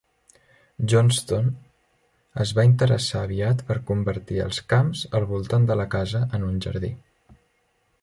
Johnston es va interessar aviat per convertir els camps al voltant de la casa en un jardí.